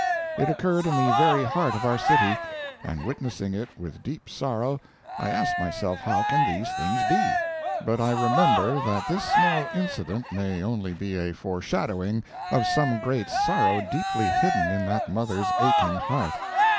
It occurred in the very heart of our city, and witnessing it with deep sorrow, I asked myself, how can these things be? But I remember that this small incident may only be a foreshadowing of some great sorrow deeply hidden in that mother's aching heart.